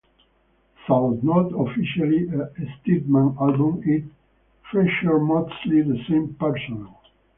Though not officially a Steadman album, it featured mostly the same personnel.